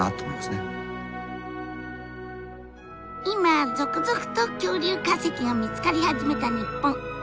今続々と恐竜化石が見つかり始めた日本。